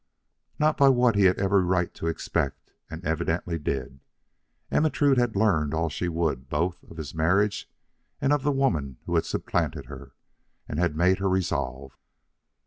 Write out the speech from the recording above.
Not by what he had every right to expect and evidently did. Ermentrude had learned all she would both of this marriage and of the woman who had supplanted her, and had made her resolve.